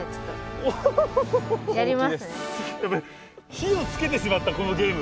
火をつけてしまったこのゲーム。